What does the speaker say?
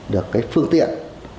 được phương tiện